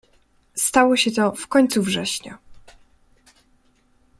"Stało się to w końcu września."